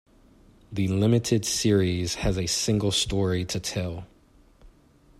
The limited series has a single story to tell.